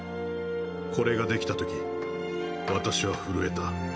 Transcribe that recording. これができたとき私は震えた